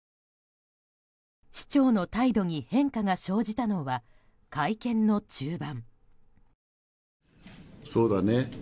市長の態度に変化が生じたのは会見の中盤。